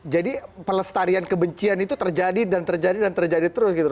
jadi pelestarian kebencian itu terjadi dan terjadi dan terjadi terus gitu